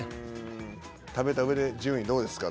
食べたうえで順位どうですか？